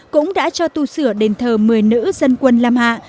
cũng đã cho tu sửa đền thờ một mươi nữ dân quân lam hạ